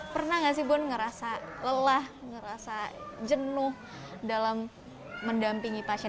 pernah nggak sih bun ngerasa lelah ngerasa jenuh dalam mendampingi pasien